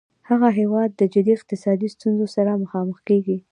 هغه هیواد د جدي اقتصادي ستونځو سره مخامخ کیږي